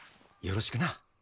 よろしくな。